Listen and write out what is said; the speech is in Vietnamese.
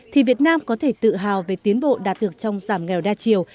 thì việt nam có thể tự hào về tiến bộ đạt được trong giảm nghèo đa chiều